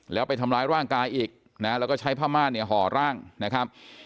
แล้วไปทำร้ายร่างกายอีกนะแล้วก็ใช้ผ้าม่านเนี่ยห่อร่างนะครับ